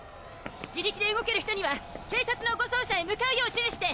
自力で動ける人には警察の護送車へ向かうよう指示して！